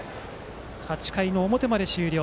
８回表まで終了。